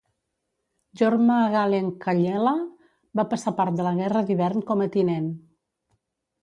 Jorma Gallen-Kallela va passar part de la Guerra d'Hivern com a tinent.